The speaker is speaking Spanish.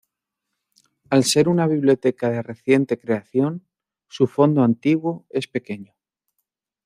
Al ser una biblioteca de reciente creación, su fondo antiguo es pequeño.